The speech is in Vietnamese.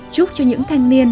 chúc cho những thanh niên